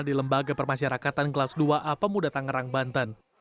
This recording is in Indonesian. di lembaga permasyarakatan kelas dua a pemuda tangerang banten